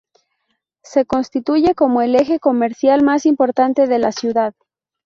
Se constituye como el eje comercial más importante de la ciudad.